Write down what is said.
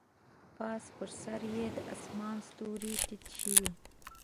پاس پر سر یې د اسمان ستوري تت شوي